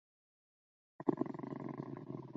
然而贾跃亭并未遵守通告规定回国。